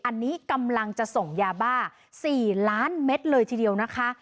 อันนี้กำลังจะส่งยาบ้า๔ล้านเม็ดเลยทีเดียวนะคะ